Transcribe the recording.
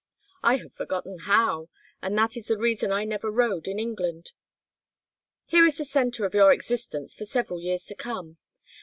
I have forgotten how, and that is the reason I never rode in England.... Here is the centre of your existence for several years to come.